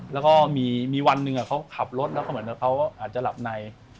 แล้วก็มีวันหนึ่งเขาขับรถแล้วก็เหมือนกับเขาอาจจะหลับใน